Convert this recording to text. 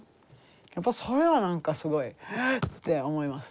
やっぱそれは何かすごいエッて思いますね。